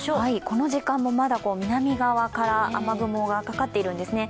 この時間もまだ南側から雨雲がかかっているんですね。